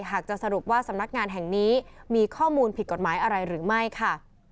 หากจะสรุปว่าสำนักงานแห่งนี้มีข้อมูลผิดกฎหมายอะไรหรือไม่ค่ะ